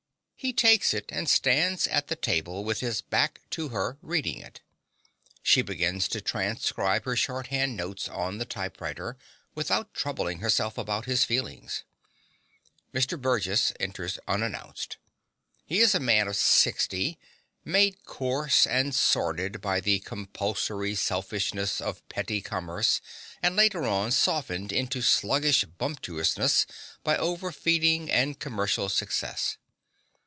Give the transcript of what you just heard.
(He takes it and stands at the table with his back to her, reading it. She begins to transcribe her shorthand notes on the typewriter without troubling herself about his feelings. Mr. Burgess enters unannounced. He is a man of sixty, made coarse and sordid by the compulsory selfishness of petty commerce, and later on softened into sluggish bumptiousness by overfeeding and commercial success.